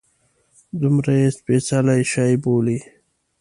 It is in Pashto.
دومره یې سپیڅلی شي بولي.